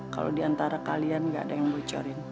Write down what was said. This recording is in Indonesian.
kalau diantara kalian nggak ada yang bocorin